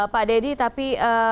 pak deddy tapi